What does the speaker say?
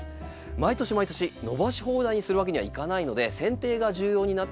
毎年毎年伸ばし放題にするわけにはいかないので剪定が重要になってきます。